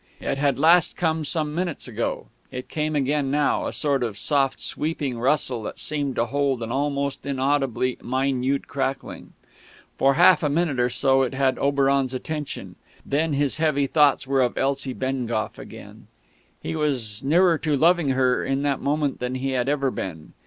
It had last come some minutes ago; it came again now a sort of soft sweeping rustle that seemed to hold an almost inaudibly minute crackling. For half a minute or so it had Oleron's attention; then his heavy thoughts were of Elsie Bengough again. He was nearer to loving her in that moment than he had ever been.